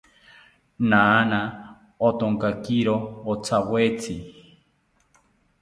Naana othonkakiro ontyawetzi